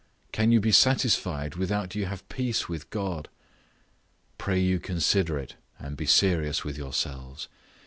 Can you be satisfied without you have peace with God? Pray you consider it, and be serious with yourselves.